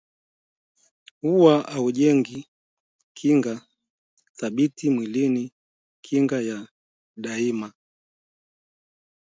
huwa haujengi kinga thabiti mwilini kinga ya daima